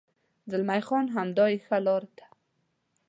زلمی خان: همدا یې ښه لار ده.